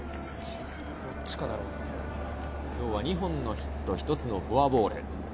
今日は２本のヒット、１つのフォアボール。